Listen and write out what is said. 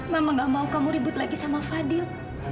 mama gak mau kamu ribut lagi sama fadil